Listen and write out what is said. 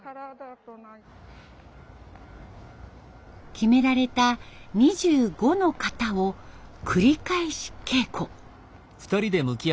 決められた２５の形を繰り返し稽古。